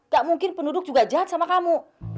gak mungkin penduduk juga jahat sama kamu